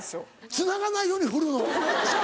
つながないように振るの？